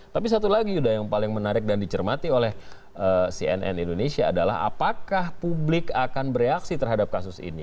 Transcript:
tapi satu lagi yuda yang paling menarik dan dicermati oleh cnn indonesia adalah apakah publik akan bereaksi terhadap kasus ini